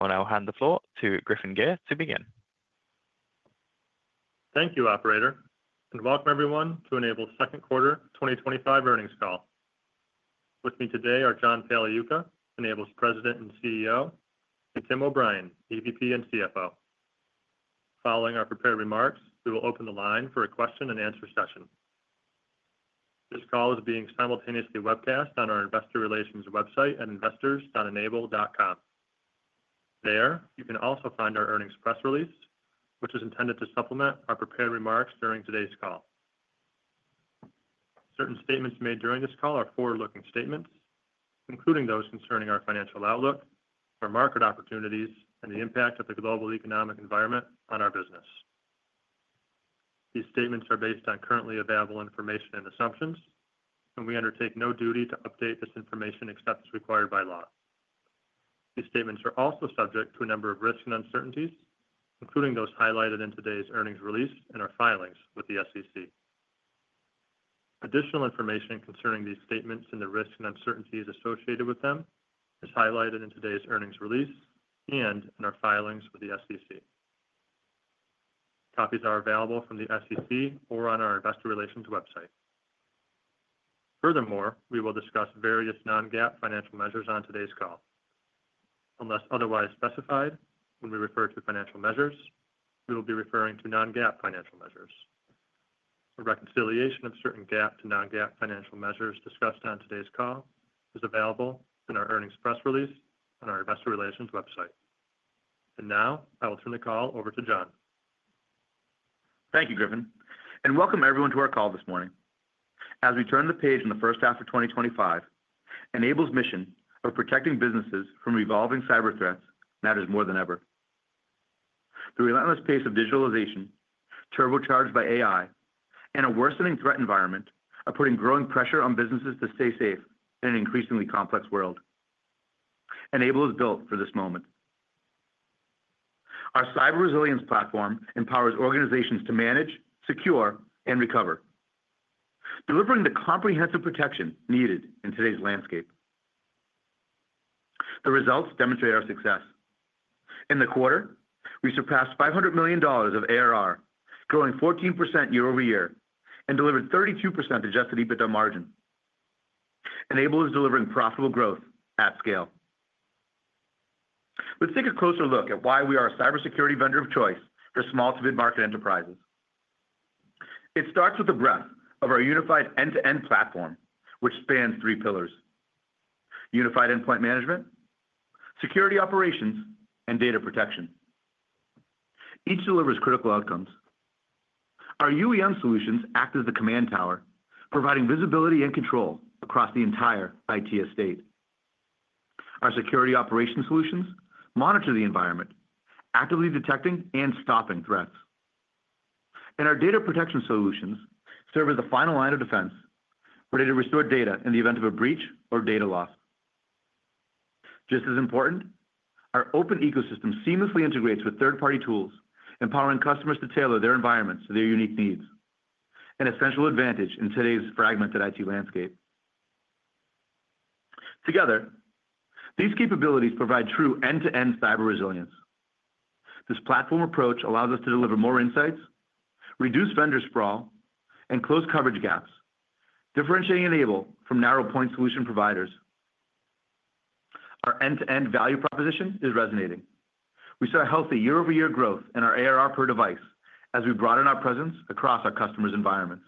I will hand the floor to Griffin Gyr to begin. Thank you, Operator, and welcome everyone to N-able's Second Quarter 2025 Earnings Call. With me today are John Pagliuca, N-able's President and CEO, and Tim O’Brien, EVP and CFO. Following our prepared remarks, we will open the line for a question and answer session. This call is being simultaneously webcast on our investor relations website at investors.n-able.com. There, you can also find our earnings press release, which is intended to supplement our prepared remarks during today's call. Certain statements made during this call are forward-looking statements, including those concerning our financial outlook, our market opportunities, and the impact of the global economic environment on our business. These statements are based on currently available information and assumptions, and we undertake no duty to update this information except as required by law. These statements are also subject to a number of risks and uncertainties, including those highlighted in today's earnings release and our filings with the SEC. Additional information concerning these statements and the risks and uncertainties associated with them is highlighted in today's earnings release and in our filings with the SEC. Copies are available from the SEC or on our investor relations website. Furthermore, we will discuss various non-GAAP financial measures on today's call. Unless otherwise specified, when we refer to financial measures, we will be referring to non-GAAP financial measures. A reconciliation of certain GAAP to non-GAAP financial measures discussed on today's call is available in our earnings press release and our investor relations website. Now, I will turn the call over to John. Thank you, Griffin, and welcome everyone to our call this morning. As we turn the page in the first half of 2025, N-able's mission of protecting businesses from evolving cyber threats matters more than ever. The relentless pace of digitalization, turbocharged by AI, and a worsening threat environment are putting growing pressure on businesses to stay safe in an increasingly complex world. N-able is built for this moment. Our cyber resilience platform empowers organizations to manage, secure, and recover, delivering the comprehensive protection needed in today's landscape. The results demonstrate our success. In the quarter, we surpassed $500 million of ARR, growing 14% year-over-year, and delivered 32% adjusted EBITDA margin. N-able is delivering profitable growth at scale. Let's take a closer look at why we are a cybersecurity vendor of choice for small to mid-market enterprises. It starts with the breadth of our unified end-to-end platform, which spans three pillars: Unified Endpoint Management, Security Operations, and Data Protection. Each delivers critical outcomes. Our UEM solutions act as the command tower, providing visibility and control across the entire IT estate. Our Security Operations solutions monitor the environment, actively detecting and stopping threats. And, our Data Protection solutions serve as the final line of defense, ready to restore data in the event of a breach or data loss. Just as important, our open ecosystem seamlessly integrates with third-party tools, empowering customers to tailor their environments to their unique needs, an essential advantage in today's fragmented IT landscape. Together, these capabilities provide true end-to-end cyber resilience. This platform approach allows us to deliver more insights, reduce vendor sprawl, and close coverage gaps, differentiating N-able from narrow-point solution providers. Our end-to-end value proposition is resonating. We saw healthy year-over-year growth in our ARR per device as we broaden our presence across our customers' environments.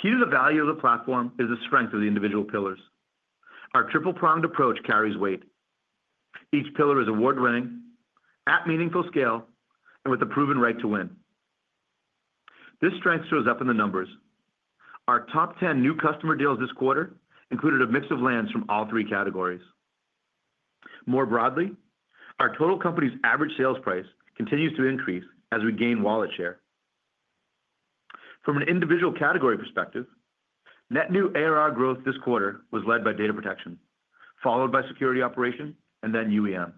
Key to the value of the platform is the strength of the individual pillars. Our triple-pronged approach carries weight. Each pillar is award-winning, at meaningful scale, and with a proven right to win. This strength shows up in the numbers. Our top 10 new customer deals this quarter included a mix of lands from all three categories. More broadly, our total company's average sales price continues to increase as we gain wallet share. From an individual category perspective, net new ARR growth this quarter was led by Data Protection, followed by Security Operations, and then UEM.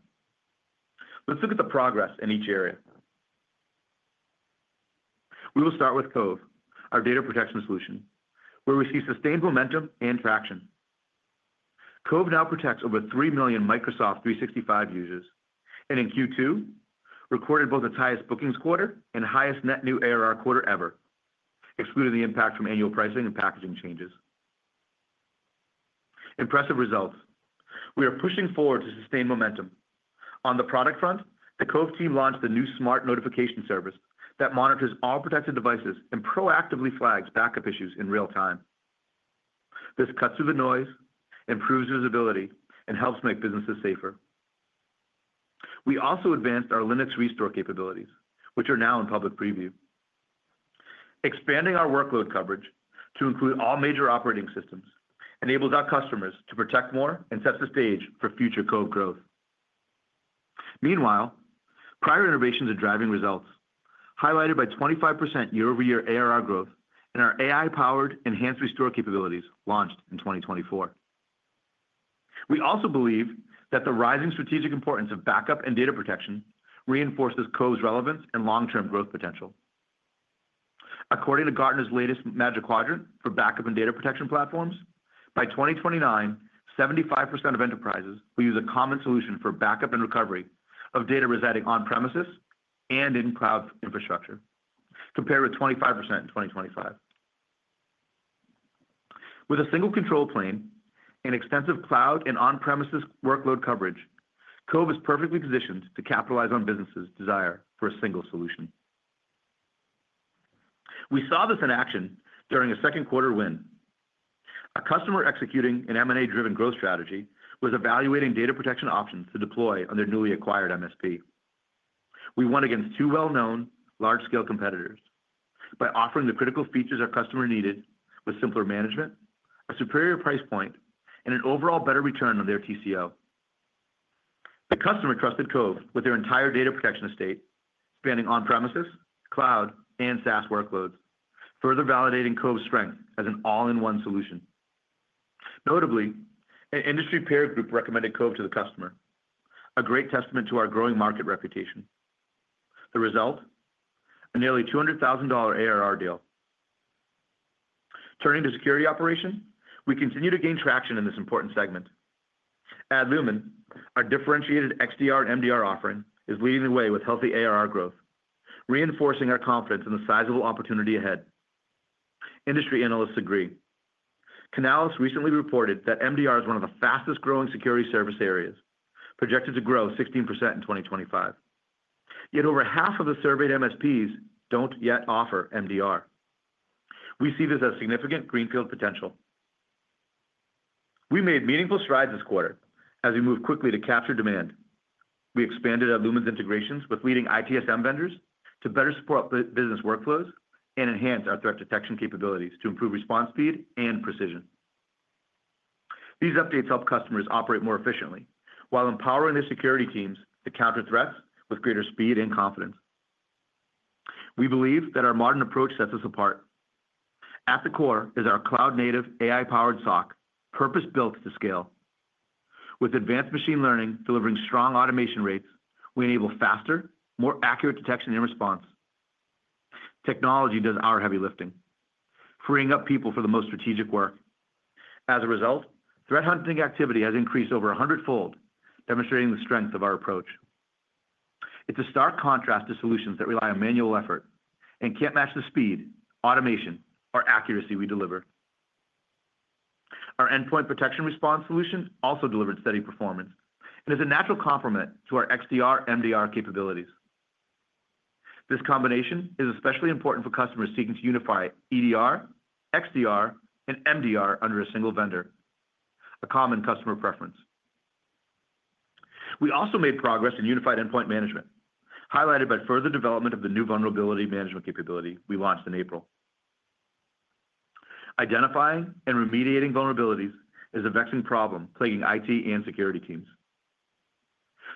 Let's look at the progress in each area. We will start with Cove, our Data Protection solution, where we see sustained momentum and traction. Cove now protects over 3 million Microsoft 365 users, and in Q2, we recorded both its highest bookings quarter and highest net new ARR quarter ever, excluding the impact from annual pricing and packaging changes. Impressive results. We are pushing forward to sustain momentum. On the product front, the Cove team launched the new smart notification service that monitors all protected devices and proactively flags backup issues in real-time. This cuts through the noise, improves usability, and helps make businesses safer. We also advanced our Linux restore capabilities, which are now in public preview. Expanding our workload coverage to include all major operating systems enables our customers to protect more and sets the stage for future Cove growth. Meanwhile, prior innovations are driving results, highlighted by 25% year-over-year ARR growth in our AI-powered enhanced restore capabilities launched in 2024. We also believe that the rising strategic importance of backup and Data Protection reinforces Cove's relevance and long-term growth potential. According to Gartner's latest Magic Quadrant for backup and Data Protection platforms, by 2029, 75% of enterprises will use a common solution for backup and recovery of data residing on-premises and in cloud infrastructure, compared with 25% in 2025. With a single control plane and extensive cloud and on-premises workload coverage, Cove is perfectly positioned to capitalize on businesses' desire for a single solution. We saw this in action during a second-quarter win. A customer executing an M&A-driven growth strategy was evaluating Data Protection options to deploy on their newly acquired MSP. We won against two well-known large-scale competitors by offering the critical features our customer needed, with simpler management, a superior price point, and an overall better return on their TCO. The customer trusted Cove with their entire Data Protection estate, spanning on-premises, cloud, and SaaS workloads, further validating Cove's strength as an all-in-one solution. Notably, an industry-paired group recommended Cove to the customer, a great testament to our growing market reputation. The result? A nearly $200,000 ARR deal. Turning to Security Operations, we continue to gain traction in this important segment. Adlumin, our differentiated XDR/MDR offering, is leading the way with healthy ARR growth, reinforcing our confidence in the sizable opportunity ahead. Industry analysts agree. Canalys recently reported that MDR is one of the fastest-growing security service areas, projected to grow 16% in 2025. Yet over half of the surveyed MSPs don't yet offer MDR. We see this as significant greenfield potential. We made meaningful strides this quarter as we move quickly to capture demand. We expanded Adlumin's integrations with leading ITSM vendors to better support business workflows and enhance our threat detection capabilities to improve response speed and precision. These updates help customers operate more efficiently while empowering their security teams to counter threats with greater speed and confidence. We believe that our modern approach sets us apart. At the core is our cloud-native AI-powered SOC, purpose-built to scale. With advanced machine learning delivering strong automation rates, we enable faster, more accurate detection and response. Technology does our heavy lifting, freeing up people for the most strategic work. As a result, threat hunting activity has increased over a hundredfold, demonstrating the strength of our approach. It's a stark contrast to solutions that rely on manual effort and can't match the speed, automation, or accuracy we deliver. Our endpoint protection response solution also delivered steady performance and is a natural complement to our XDR/MDR capabilities. This combination is especially important for customers seeking to unify EDR, XDR, and MDR under a single vendor, a common customer preference. We also made progress in Unified Endpoint Management, highlighted by further development of the new Vulnerability Management capability we launched in April. Identifying and remediating vulnerabilities is a vexing problem plaguing IT and security teams.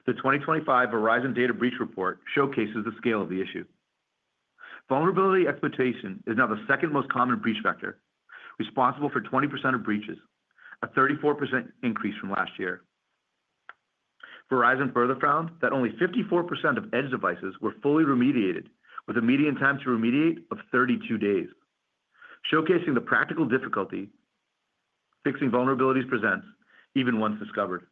The 2025 Verizon Data Breach Report showcases the scale of the issue. Vulnerability exploitation is now the second most common breach factor, responsible for 20% of breaches, a 34% increase from last year. Verizon further found that only 54% of edge devices were fully remediated, with a median time to remediate of 32 days, showcasing the practical difficulty fixing vulnerabilities presents even once discovered.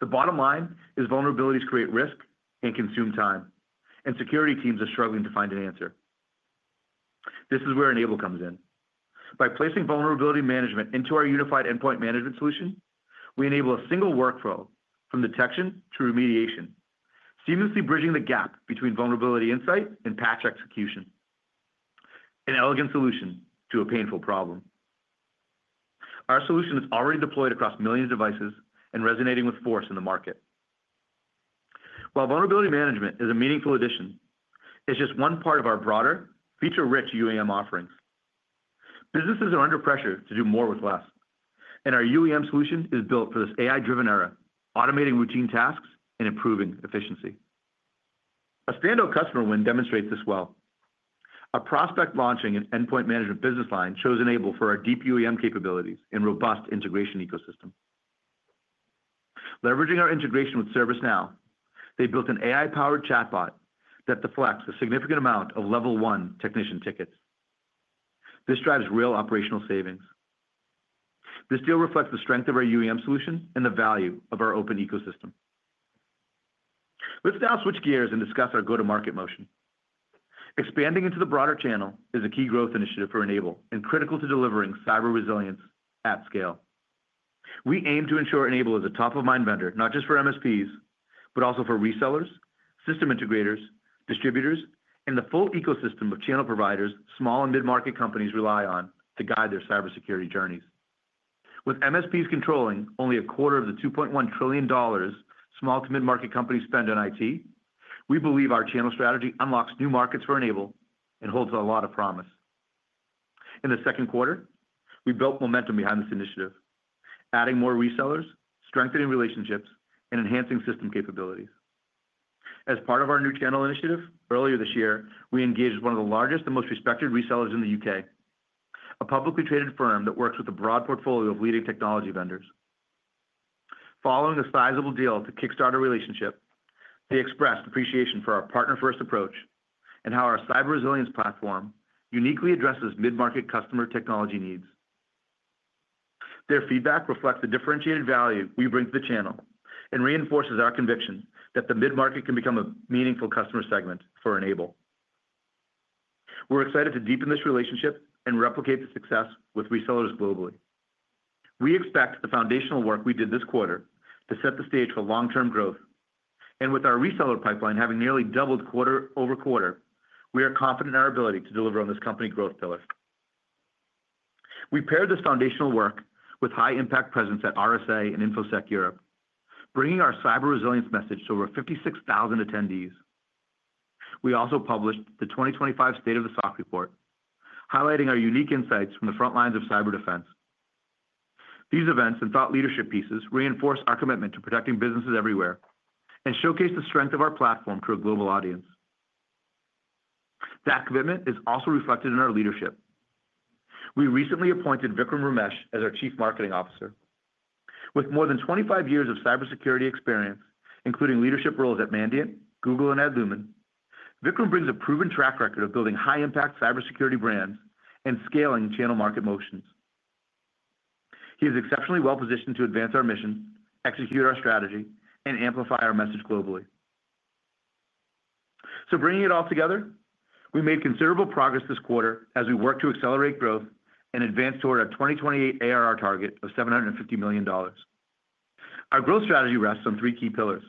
The bottom line is vulnerabilities create risk and consume time, and security teams are struggling to find an answer. This is where N-able comes in. By placing vulnerability management into our Unified Endpoint Management solution, we enable a single workflow from detection to remediation, seamlessly bridging the gap between vulnerability insight and patch execution. An elegant solution to a painful problem. Our solution is already deployed across millions of devices and resonating with force in the market. While vulnerability management is a meaningful addition, it's just one part of our broader, feature-rich UEM offerings. Businesses are under pressure to do more with less, and our UEM solution is built for this AI-driven era, automating routine tasks and improving efficiency. A standout customer win demonstrates this well. A prospect launching an endpoint management business line chose N-able for our deep UEM capabilities and robust integration ecosystem. Leveraging our integration with ServiceNow, they built an AI-powered chatbot that deflects a significant amount of level one technician tickets. This drives real operational savings. This deal reflects the strength of our UEM solution and the value of our open ecosystem. Let's now switch gears and discuss our go-to-market motion. Expanding into the broader channel is a key growth initiative for N-able and critical to delivering cyber resilience at scale. We aim to ensure N-able is a top-of-mind vendor not just for MSPs, but also for resellers, system integrators, distributors, and the full ecosystem of channel providers small and mid-market companies rely on to guide their cybersecurity journeys. With MSPs controlling only a quarter of the $2.1 trillion small to mid-market companies spend on IT, we believe our channel strategy unlocks new markets for N-able and holds a lot of promise. In the second quarter, we built momentum behind this initiative, adding more resellers, strengthening relationships, and enhancing system capabilities. As part of our new channel initiative, earlier this year, we engaged one of the largest and most respected resellers in the U.K., a publicly traded firm that works with a broad portfolio of leading technology vendors. Following a sizable deal to kickstart a relationship, they expressed appreciation for our partner-first approach and how our cyber resilience platform uniquely addresses mid-market customer technology needs. Their feedback reflects the differentiated value we bring to the channel and reinforces our conviction that the mid-market can become a meaningful customer segment for N-able. We're excited to deepen this relationship and replicate the success with resellers globally. We expect the foundational work we did this quarter to set the stage for long-term growth, and with our reseller pipeline having nearly doubled quarter-over-quarter, we are confident in our ability to deliver on this company growth pillar. We paired this foundational work with high-impact presence at RSA and Infosec Europe, bringing our cyber resilience message to over 56,000 attendees. We also published the 2025 State of the SOC Report, highlighting our unique insights from the front lines of cyber defense. These events and thought leadership pieces reinforce our commitment to protecting businesses everywhere and showcase the strength of our platform to a global audience. That commitment is also reflected in our leadership. We recently appointed Vikram Ramesh as our Chief Marketing Officer. With more than 25 years of cybersecurity experience, including leadership roles at Mandiant, Google, and Adlumin, Vikram brings a proven track record of building high-impact cybersecurity brands and scaling channel market motions. He is exceptionally well-positioned to advance our mission, execute our strategy, and amplify our message globally. Bringing it all together, we made considerable progress this quarter as we work to accelerate growth and advance toward our 2028 ARR target of $750 million. Our growth strategy rests on three key pillars: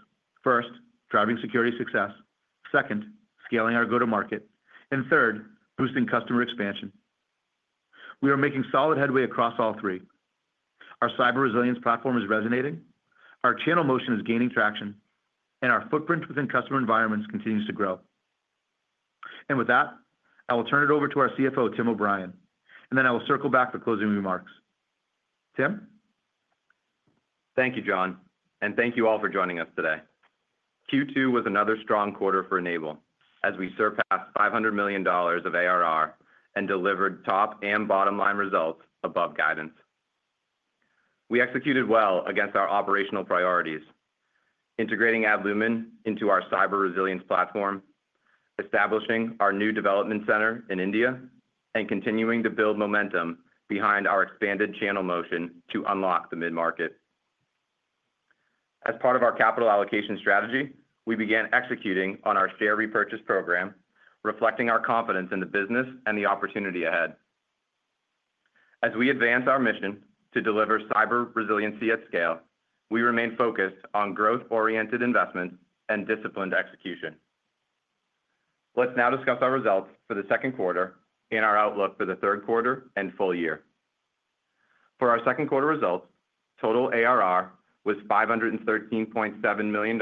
first, driving security success; second, scaling our go-to-market; and third, boosting customer expansion. We are making solid headway across all three. Our cyber resilience platform is resonating, our channel motion is gaining traction, and our footprint within customer environments continues to grow. With that, I will turn it over to our CFO, Tim O’Brien, and then I will circle back for closing remarks. Tim? Thank you, John, and thank you all for joining us today. Q2 was another strong quarter for N-able as we surpassed $500 million of ARR and delivered top and bottom-line results above guidance. We executed well against our operational priorities, integrating Adlumin into our cyber resilience platform, establishing our new development center in India, and continuing to build momentum behind our expanded channel motion to unlock the mid-market. As part of our capital allocation strategy, we began executing on our share repurchase program, reflecting our confidence in the business and the opportunity ahead. As we advance our mission to deliver cyber resiliency at scale, we remain focused on growth-oriented investment and disciplined execution. Let's now discuss our results for the second quarter and our outlook for the third quarter and full year. For our second quarter results, total ARR was $513.7 million,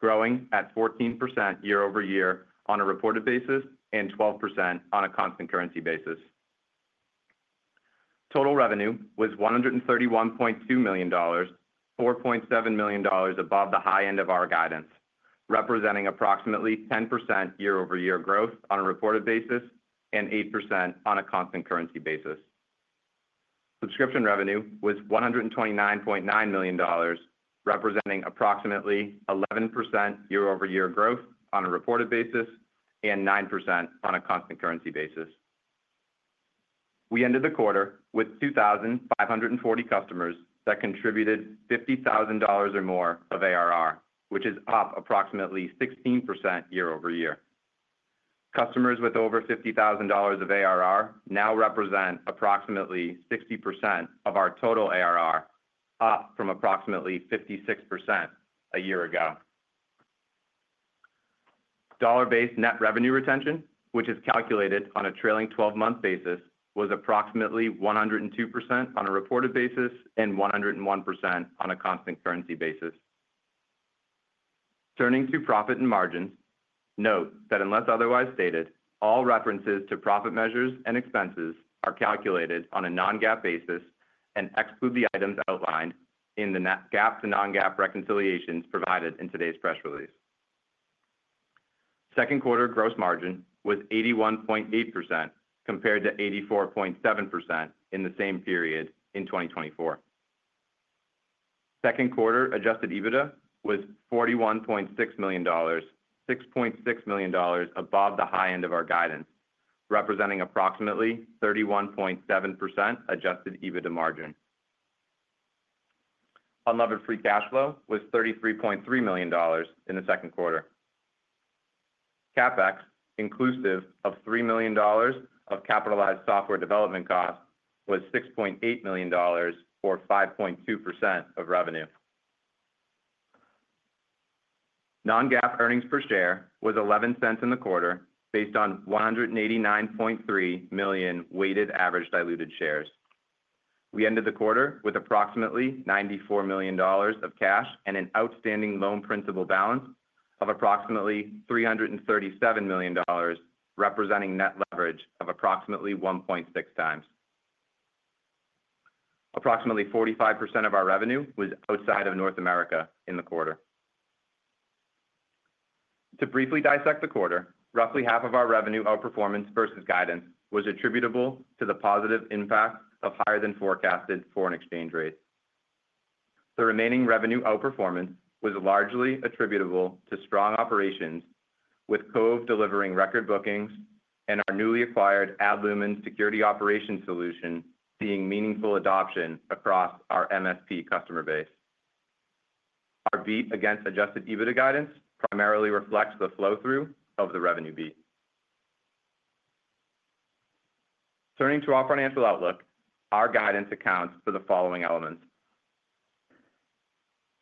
growing at 14% year-over-year on a reported basis and 12% on a constant currency basis. Total revenue was $131.2 million, $4.7 million above the high end of our guidance, representing approximately 10% year-over-year growth on a reported basis and 8% on a constant currency basis. Subscription revenue was $129.9 million, representing approximately 11% year-over-year growth on a reported basis and 9% on a constant currency basis. We ended the quarter with 2,540 customers that contributed $50,000 or more of ARR, which is up approximately 16% year-over-year. Customers with over $50,000 of ARR now represent approximately 60% of our total ARR, up from approximately 56% a year ago. Dollar-based net revenue retention, which is calculated on a trailing 12-month basis, was approximately 102% on a reported basis and 101% on a constant currency basis. Turning to profit and margin, note that unless otherwise stated, all references to profit measures and expenses are calculated on a non-GAAP basis and exclude the items outlined in the GAAP to non-GAAP reconciliations provided in today's press release. Second quarter gross margin was 81.8% compared to 84.7% in the same period in 2024. Second quarter adjusted EBITDA was $41.6 million, $6.6 million above the high end of our guidance, representing approximately 31.7% adjusted EBITDA margin. Unlevered free cash flow was $33.3 million in the second quarter. CapEx, inclusive of $3 million of capitalized software development costs, was $6.8 million or 5.2% of revenue. Non-GAAP earnings per share was $0.11 in the quarter, based on 189.3 million weighted average diluted shares. We ended the quarter with approximately $94 million of cash and an outstanding loan principal balance of approximately $337 million, representing net leverage of approximately 1.6x. Approximately 45% of our revenue was outside of North America in the quarter. To briefly dissect the quarter, roughly half of our revenue outperformance versus guidance was attributable to the positive impact of higher-than-forecasted foreign exchange rates. The remaining revenue outperformance was largely attributable to strong operations, with Cove delivering record bookings and our newly acquired Adlumin Security Operations solution seeing meaningful adoption across our MSP customer base. Our beat against adjusted EBITDA guidance primarily reflects the flow-through of the revenue beat. Turning to our financial outlook, our guidance accounts for the following elements.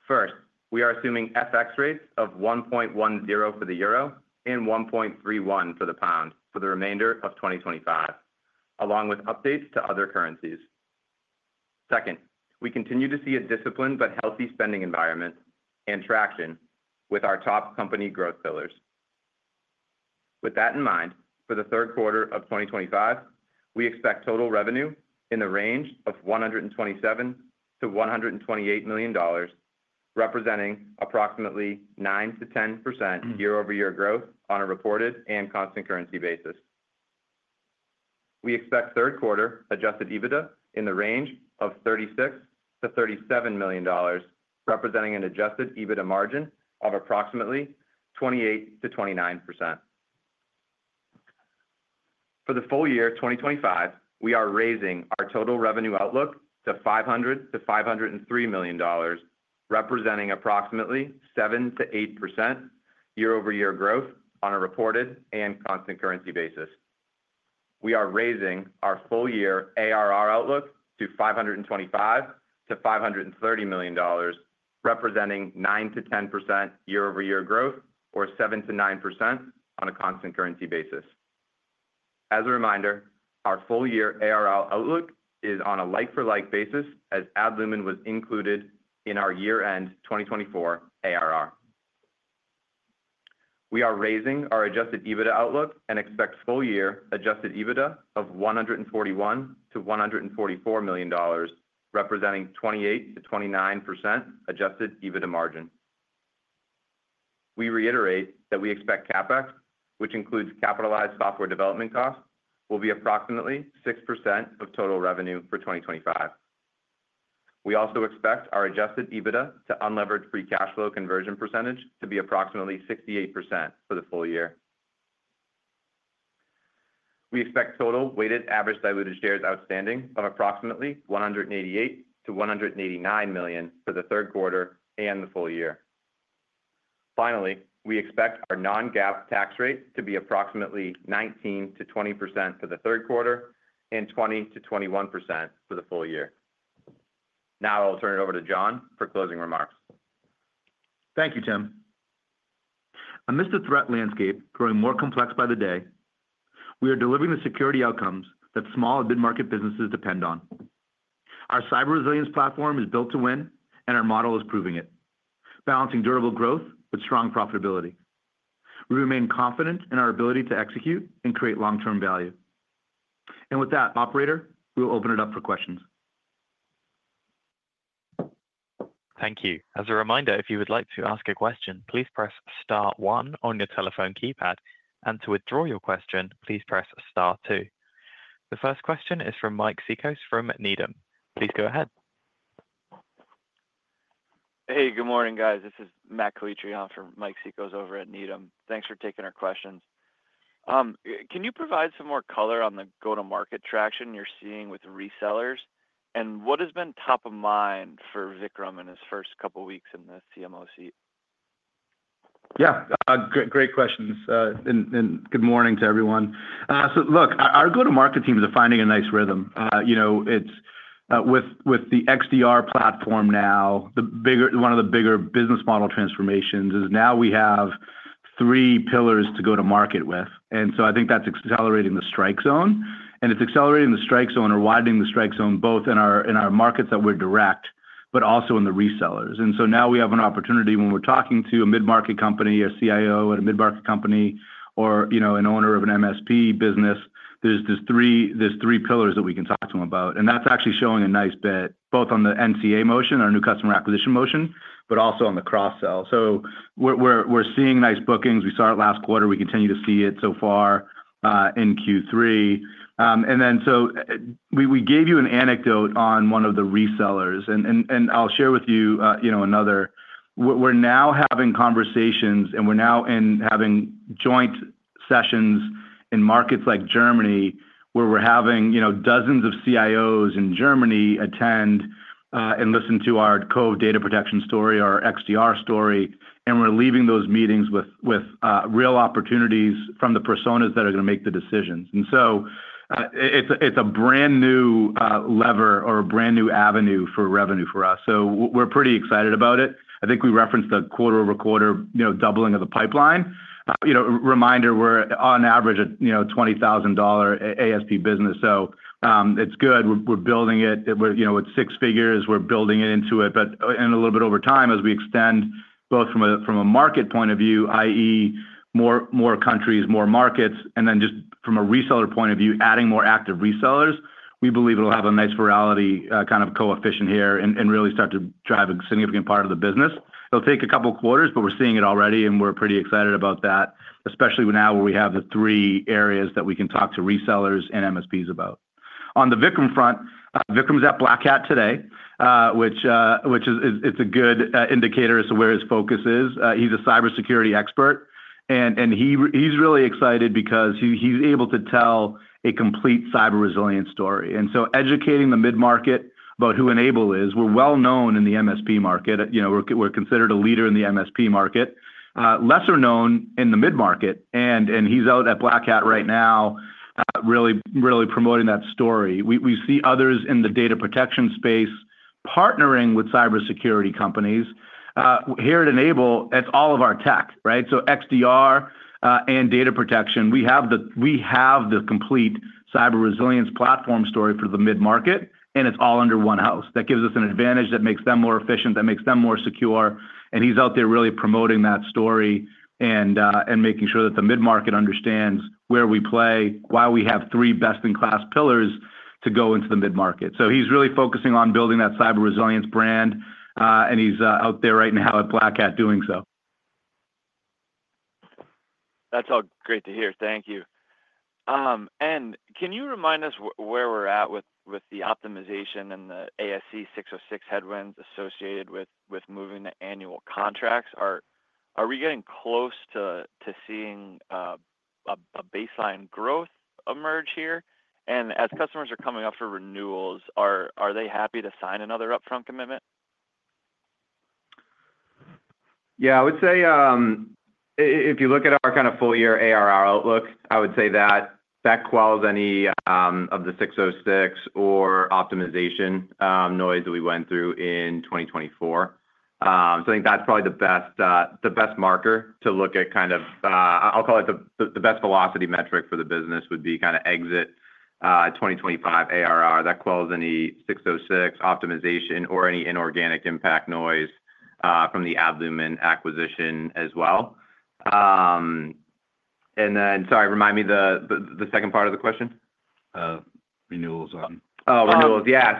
First, we are assuming FX rates of 1.10 for the euro and 1.31 for the pound for the remainder of 2025, along with updates to other currencies. Second, we continue to see a disciplined but healthy spending environment and traction with our top company growth pillars. With that in mind, for the third quarter of 2025, we expect total revenue in the range of $127 million-$128 million, representing approximately 9%-10% year-over-year growth on a reported and constant currency basis. We expect third-quarter adjusted EBITDA in the range of $36 million-$37 million, representing an adjusted EBITDA margin of approximately 28%-29%. For the full year 2025, we are raising our total revenue outlook to $500 million-$503 million, representing approximately 7%-8% year-over-year growth on a reported and constant currency basis. We are raising our full-year ARR outlook to $525 million-$530 million, representing 9%-10% year-over-year growth or 7%-9% on a constant currency basis. As a reminder, our full-year ARR outlook is on a like-for-like basis as Adlumin was included in our year-end 2024 ARR. We are raising our adjusted EBITDA outlook and expect full-year adjusted EBITDA of $141 million-$144 million, representing 28%-29% adjusted EBITDA margin. We reiterate that we expect CapEx, which includes capitalized software development costs, will be approximately 6% of total revenue for 2025. We also expect our adjusted EBITDA to unleverage free cash flow conversion percentage to be approximately 68% for the full year. We expect total weighted average diluted shares outstanding of approximately $188 million-$189 million for the third quarter and the full year. Finally, we expect our non-GAAP tax rate to be approximately 19%-20% for the third quarter and 20%-21% for the full year. Now, I will turn it over to John for closing remarks. Thank you, Tim. Amidst the threat landscape growing more complex by the day, we are delivering the security outcomes that small and mid-market businesses depend on. Our cyber resilience platform is built to win, and our model is proving it, balancing durable growth with strong profitability. We remain confident in our ability to execute and create long-term value. With that, Operator, we will open it up for questions. Thank you. As a reminder, if you would like to ask a question, please press star one on your telephone keypad. To withdraw your question, please press star two. The first question is from Mike Cikos from Needham. Please go ahead. Hey, good morning, guys. This is Matt Coetrion for Mike Cikos over at Needham. Thanks for taking our questions. Can you provide some more color on the go-to-market traction you're seeing with resellers? What has been top of mind for Vikram in his first couple of weeks in the CMO seat? Yeah, great questions, and good morning to everyone. Our go-to-market teams are finding a nice rhythm. With the XDR platform now, one of the bigger business model transformations is now we have three pillars to go to market with. I think that's accelerating the strike zone, and it's accelerating the strike zone or widening the strike zone both in our markets that we're direct, but also in the resellers. Now we have an opportunity when we're talking to a mid-market company, a CIO at a mid-market company, or an owner of an MSP business. There are three pillars that we can talk to them about, and that's actually showing a nice bit, both on the NCA motion, our new customer acquisition motion, but also on the cross-sell. So, we're seeing nice bookings. We saw it last quarter. We continue to see it so far in Q3. So, we gave you an anecdote on one of the resellers, and I'll share with you another. We're now having conversations, and we're now having joint sessions in markets like Germany, where we're having dozens of CIOs in Germany attend and listen to our Cove Data Protection story or XDR story. And, we're leaving those meetings with real opportunities from the personas that are going to make the decisions. So, it's a brand new lever or a brand new avenue for revenue for us. We're pretty excited about it. I think we referenced the quarter-over-quarter doubling of the pipeline. Reminder, we're on average at a $20,000 ASP business, so it's good. We're building it. It's six figures. We're building into it, but in a little bit over time, as we extend both from a market point of view, i.e., more countries, more markets, and then just from a reseller point of view, adding more active resellers, we believe it'll have a nice virality kind of coefficient here and really start to drive a significant part of the business. It'll take a couple of quarters, but we're seeing it already, and we're pretty excited about that, especially now where we have the three areas that we can talk to resellers and MSPs about. On the Vikram front, Vikram's at Black Hat today, which is a good indicator as to where his focus is. He's a cybersecurity expert, and he's really excited because he's able to tell a complete cyber resilience story. So, educating the mid-market about who N-able is, we're well-known in the MSP market. We're considered a leader in the MSP market, lesser known in the mid-market, and he's out at Black Hat right now, really, really promoting that story. We see others in the data protection space partnering with cybersecurity companies. Here at N-able, it's all of our tech, right? XDR and data protection, we have the complete cyber resilience platform story for the mid-market, and it's all under one house. That gives us an advantage. That makes them more efficient. That makes them more secure. He's out there really promoting that story and making sure that the mid-market understands where we play, why we have three best-in-class pillars to go into the mid-market. He's really focusing on building that cyber resilience brand, and he's out there right now at Black Hat doing so. That's all great to hear. Thank you. And can you remind us where we're at with the optimization and the ASC 606 headwind associated with moving to annual contracts? Are we getting close to seeing a baseline growth emerge here? As customers are coming up for renewals, are they happy to sign another upfront commitment? Yeah, I would say if you look at our kind of full-year ARR outlook, I would say that that quells any of the ASC 606 or optimization noise that we went through in 2024. I think that's probably the best marker to look at, I'll call it the best velocity metric for the business, would be kind of exit 2025 ARR. That quells any ASC 606 optimization or any inorganic impact noise from the Adlumin acquisition as well. And, sorry, remind me the second part of the question? Renewals on. Oh, renewals, yeah.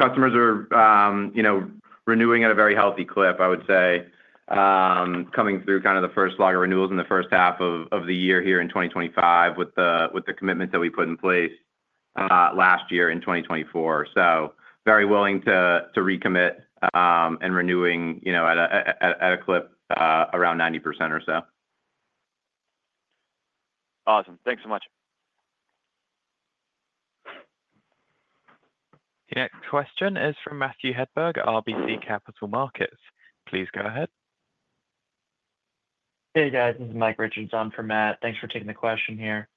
Customers are renewing at a very healthy clip, I would say, coming through kind of the first slog of renewals in the first half of the year here in 2025 with the commitment that we put in place last year in 2024. So, very willing to recommit and renewing at a clip around 90% or so. Awesome. Thanks so much. Next question is from Matthew Hedberg at RBC Capital Markets. Please go ahead. Hey, guys, this is Mike Di on for Matt. Thanks for taking the question here.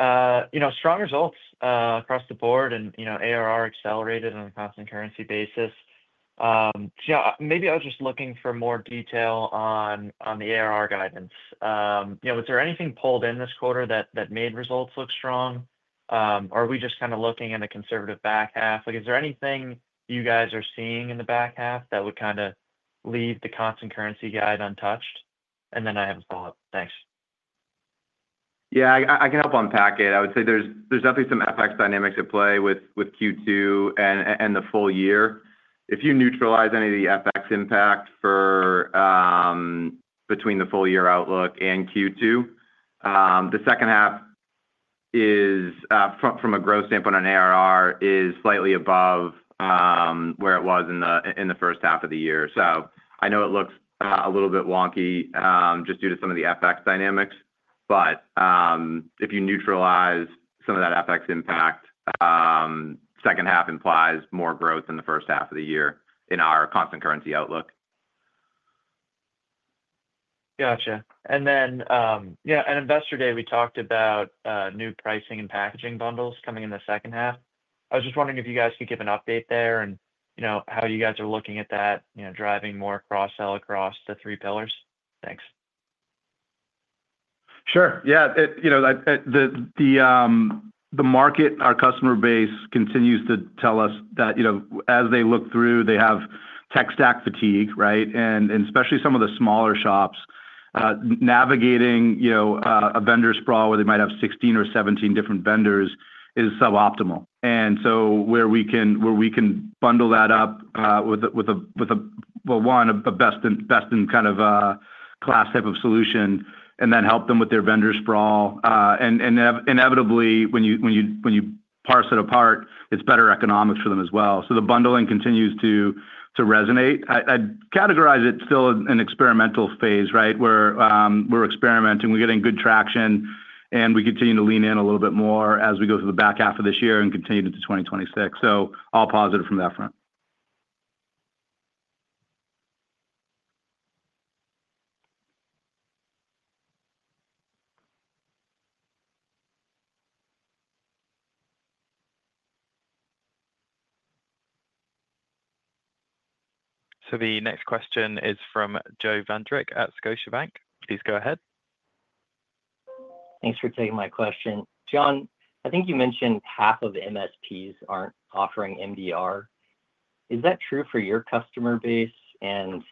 You know, strong results across the board and ARR accelerated on a constant currency basis. Maybe I was just looking for more detail on the ARR guidance. Was there anything pulled in this quarter that made results look strong? Are we just kind of looking at a conservative back half? Is there anything you guys are seeing in the back half that would kind of leave the constant currency guide untouched? I have a thought. Thanks. Yeah, I can help unpack it. I would say there's definitely some FX dynamics at play with Q2 and the full year. If you neutralize any of the FX impact between the full year outlook and Q2, the second half, from a growth standpoint on ARR, is slightly above where it was in the first half of the year. So, I know it looks a little bit wonky just due to some of the FX dynamics, but if you neutralize some of that FX impact, the second half implies more growth than the first half of the year in our constant currency outlook. Gotcha. Then, at Investor Day, we talked about new pricing and packaging bundles coming in the second half. I was just wondering if you guys could give an update there and how you guys are looking at that, driving more cross-sell across the three pillars. Thanks. Sure. The market, our customer base continues to tell us that as they look through, they have tech stack fatigue, right? Especially some of the smaller shops, navigating a vendor sprawl where they might have 16 or 17 different vendors is suboptimal. Where we can bundle that up with, one, a best-in-class type of solution and then help them with their vendor sprawl. Inevitably, when you parse it apart, it's better economics for them as well. The bundling continues to resonate. I'd categorize it still in an experimental phase, where we're experimenting, we're getting good traction, and we continue to lean in a little bit more as we go through the back half of this year and continue to 2026. So, all positive from that front. The next question is from Joe Vandrick at Scotiabank. Please go ahead. Thanks for taking my question. John, I think you mentioned half of MSPs aren't offering MDR. Is that true for your customer base, and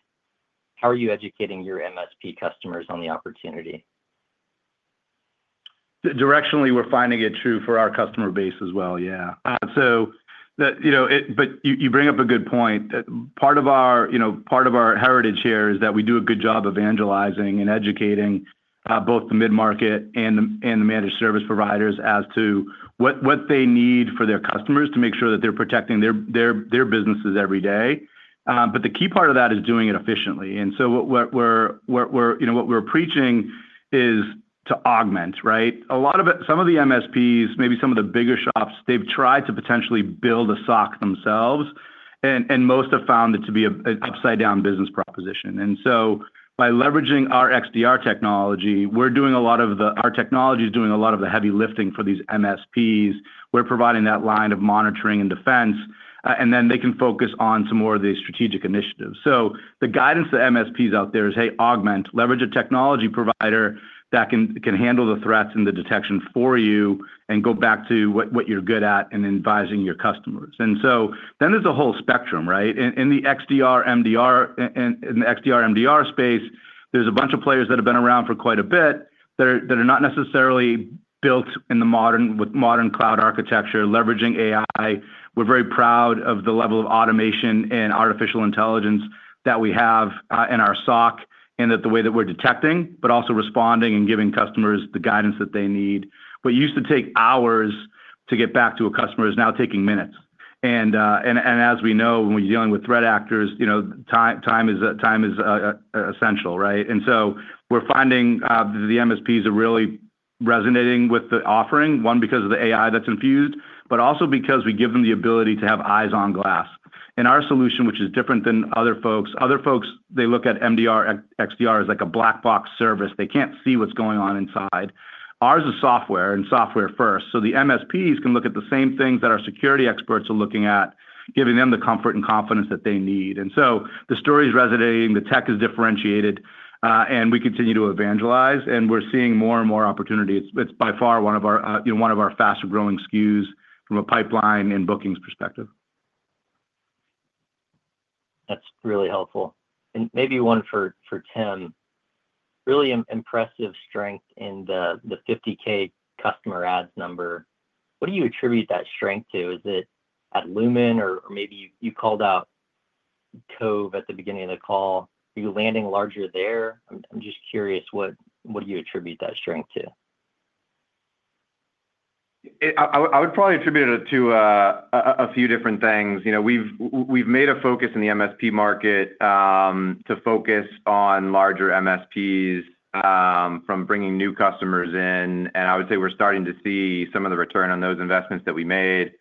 how are you educating your MSP customers on the opportunity? Directionally, we're finding it true for our customer base as well, yeah. So, you bring up a good point. Part of our heritage here is that we do a good job evangelizing and educating both the mid-market and the managed service providers as to what they need for their customers to make sure that they're protecting their businesses every day. The key part of that is doing it efficiently. What we're preaching is to augment, right? A lot of it, some of the MSPs, maybe some of the bigger shops, they've tried to potentially build a SOC themselves, and most have found it to be an upside-down business proposition. By leveraging our XDR technology, we're doing a lot of the, our technology is doing a lot of the heavy lifting for these MSPs. We're providing that line of monitoring and defense, and then they can focus on some more of the strategic initiatives. The guidance to MSPs out there is, hey, augment, leverage a technology provider that can handle the threats and the detection for you and go back to what you're good at and advising your customers. So, there is a whole spectrum, right? In the XDR/MDR space, there's a bunch of players that have been around for quite a bit that are not necessarily built in the modern cloud architecture, leveraging AI. We're very proud of the level of automation and artificial intelligence that we have in our SOC and the way that we're detecting, but also responding and giving customers the guidance that they need. What used to take hours to get back to a customer is now taking minutes. And as we know, when we're dealing with threat actors, you know, time is essential, right? We're finding the MSPs are really resonating with the offering, one, because of the AI that's infused, but also because we give them the ability to have eyes on glass. Our solution, which is different than other folks, other folks, they look at MDR/XDR as like a black box service. They can't see what's going on inside. Ours is software and software first. The MSPs can look at the same things that our security experts are looking at, giving them the comfort and confidence that they need. So the story is resonating, the tech is differentiated, and we continue to evangelize, and we're seeing more and more opportunity. It's by far one of our faster-growing SKUs from a pipeline and bookings perspective. That's really helpful. Maybe one for Tim, really impressive strength in the 50K customer ads number. What do you attribute that strength to? Is it Adlumin, or maybe you called out Cove at the beginning of the call? Are you landing larger there? I'm just curious, what do you attribute that strength to? I would probably attribute it to a few different things. You know, we've made a focus in the MSP market to focus on larger MSPs from bringing new customers in, and I would say we're starting to see some of the return on those investments that we made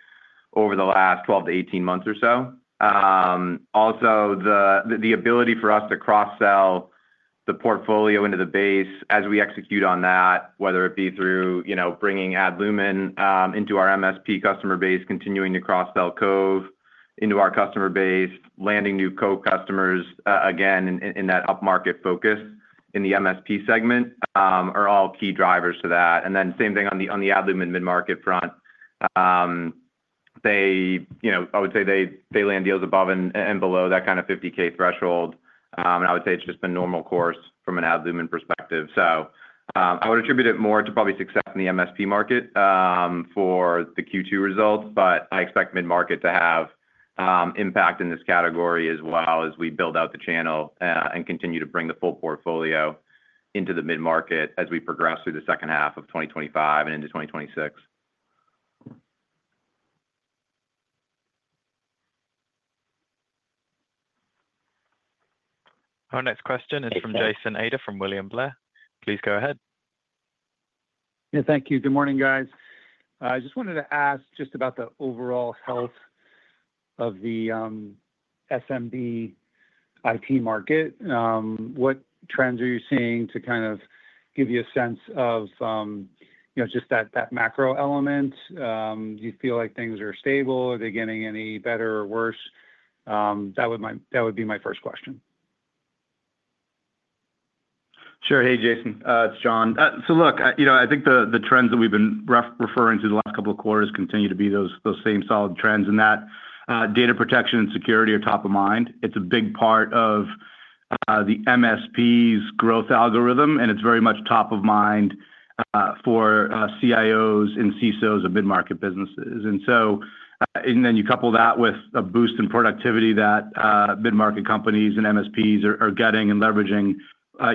over the last 12-18 months or so. Also, the ability for us to cross-sell the portfolio into the base as we execute on that, whether it be through bringing Adlumin into our MSP customer base, continuing to cross-sell Cove into our customer base, landing new Cove customers again in that upmarket focus in the MSP segment are all key drivers to that. Then same thing on the Adlumin mid-market front. I would say they land deals above and below that kind of $50,000 threshold, and I would say it's just been a normal course from an Adlumin perspective. I would attribute it more to probably success in the MSP market for the Q2 results, but I expect mid-market to have impact in this category as well as we build out the channel and continue to bring the full portfolio into the mid-market as we progress through the second half of 2025 and into 2026. Our next question is from Jason Ader from William Blair. Please go ahead. Thank you. Good morning, guys. I just wanted to ask about the overall health of the SMB IT market. What trends are you seeing to give you a sense of that macro element? Do you feel like things are stable? Are they getting any better or worse? That would be my first question. Sure. Hey, Jason. It's John. I think the trends that we've been referring to the last couple of quarters continue to be those same solid trends, and that data protection and security are top of mind. It's a big part of the MSPs' growth algorithm, and it's very much top of mind for CIOs and CISOs of mid-market businesses. Then you couple that with a boost in productivity that mid-market companies and MSPs are getting and leveraging,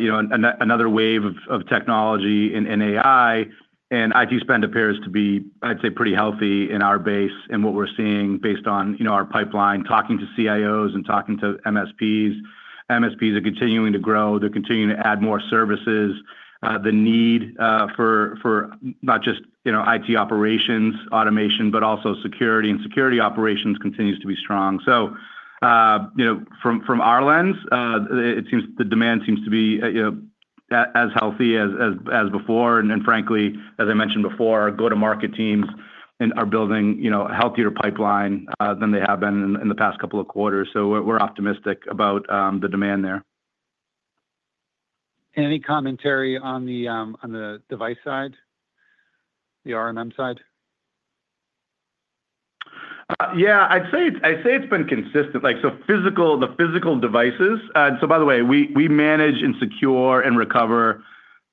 you know, another wave of technology in AI. And, IT spend appears to be, I'd say, pretty healthy in our base and what we're seeing based on, you know, our pipeline, talking to CIOs and talking to MSPs. MSPs are continuing to grow. They're continuing to add more services. The need for not just, you know, IT operations automation, but also security and Security Operations continues to be strong. So, from our lens, it seems the demand seems to be, you know, as healthy as before. Frankly, as I mentioned before, our go-to-market teams are building, you know, a healthier pipeline than they have been in the past couple of quarters. We're optimistic about the demand there. Any commentary on the device side, the RMM side? Yeah, I'd say it's been consistent. The physical devices, by the way, we manage and secure and recover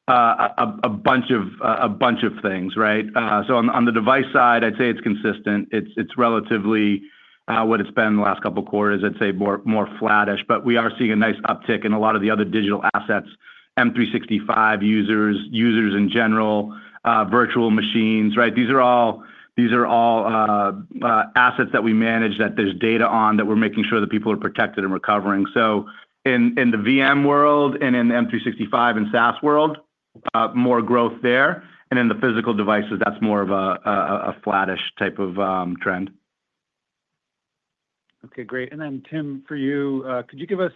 a bunch of things, right? On the device side, I'd say it's consistent. It's relatively what it's been the last couple of quarters. I'd say more flattish, but we are seeing a nice uptick in a lot of the other digital assets, M365 users, users in general, virtual machines, right? These are all assets that we manage that there's data on that we're making sure that people are protected and recovering. In the VM world and in the M365 and SaaS world, more growth there. In the physical devices, that's more of a flattish type of trend. Okay, great. Tim, for you, could you give us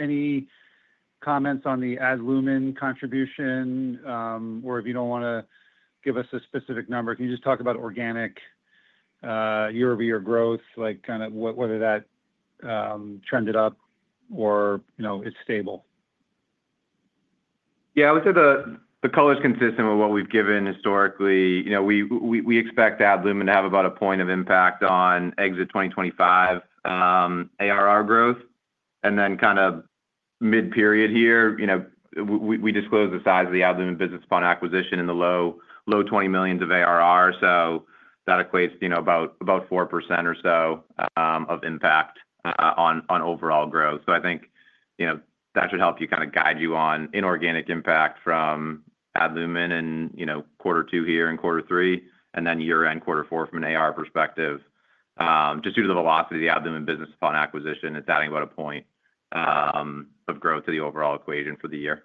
any comments on the Adlumin contribution? If you don't want to give us a specific number, can you just talk about organic year-over-year growth, like kind of whether that trended up or, you know, it's stable? Yeah, I would say the color's consistent with what we've given historically. You know, we expect Adlumin to have about a point of impact on exit 2025 ARR growth. Kind of mid-period here, you know, we disclosed the size of the Adlumin business upon acquisition in the low $20 million of ARR. That equates to about 4% or so of impact on overall growth. I think that should help guide you on inorganic impact from Adlumin in quarter two here and quarter three, and then year-end quarter four from an ARR perspective. Just due to the velocity of the Adlumin business upon acquisition, it's adding about a point of growth to the overall equation for the year.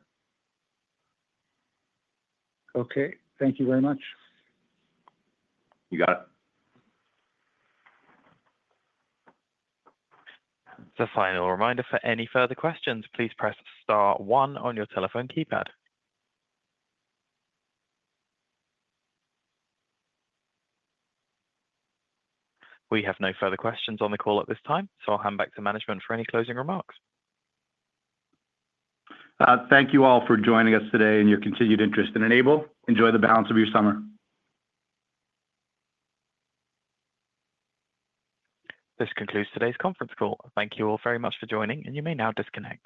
Okay, thank you very much. You got it. To final reminder, for any further questions, please press star one on your telephone keypad. We have no further questions on the call at this time, so I'll hand back to management for any closing remarks. Thank you all for joining us today and your continued interest in N-able. Enjoy the balance of your summer. This concludes today's conference call. Thank you all very much for joining, and you may now disconnect.